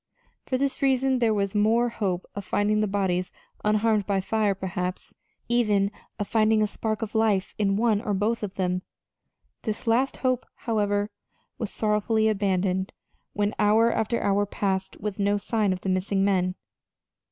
For this reason there was the more hope of finding the bodies unharmed by fire perhaps, even, of finding a spark of life in one or both of them. This last hope, however, was sorrowfully abandoned when hour after hour passed with no sign of the missing men.